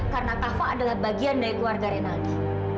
karena kafa adalah bagian dari keluarga renaldi